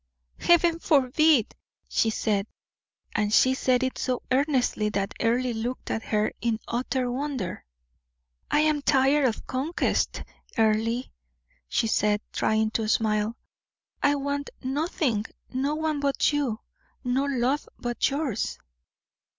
"Heaven forbid!" she said; and she said it so earnestly that Earle looked at her in utter wonder. "I am tired of conquests, Earle," she said, trying to smile. "I want nothing no one but you, no love but yours."